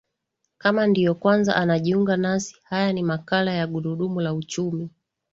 kama ndiyo kwanza anajiunga nasi haya ni makala ya gurudumu la uchumi